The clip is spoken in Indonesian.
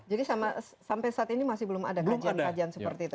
jadi sampai saat ini masih belum ada kajian kajian seperti itu